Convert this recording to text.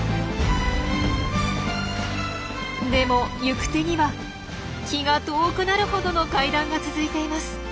でも行く手には気が遠くなるほどの階段が続いています。